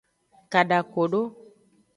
Kadakodo.